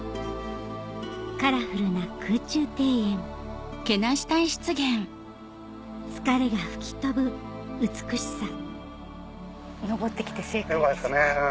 カラフルな空中庭園疲れが吹き飛ぶ美しさ登って来て正解です。